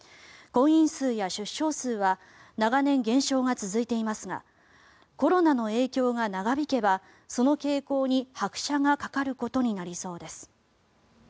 婚姻数者や出生数は長年、減少が続いていますがコロナの影響が長引けばその傾向に拍車がかかることになりそうです。